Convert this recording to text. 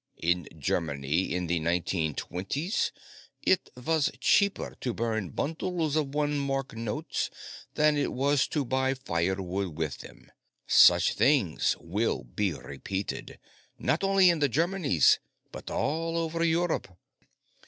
In Germany, in the 1920s, it was cheaper to burn bundles of one mark notes than it was to buy firewood with them. Such things will be repeated, not only in the Germanies, but all over Europe.